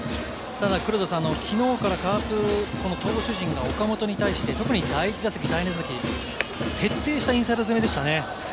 黒田さん、きのうからカープの投手陣が岡本に対して特に第１打席、第２打席、徹底したインサイド攻めでしたね。